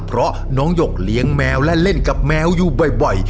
เพราะน้องหยกเลี้ยงแมวและเล่นกับแมวอยู่บ่อย